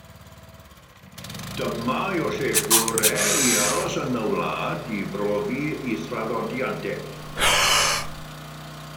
Dyma yw'r lle gorau i aros yn y wlad i brofi ei thraddodiadau.